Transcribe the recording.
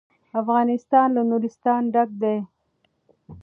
افغانستان له نورستان ډک دی.